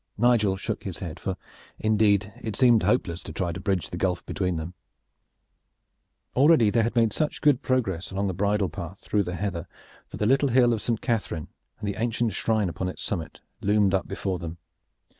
Nigel shook his head, for indeed it seemed hopeless to try to bridge the gulf between them. Already they had made such good progress along the bridle path through the heather that the little hill of Saint Catharine and the ancient shrine upon its summit loomed up before them.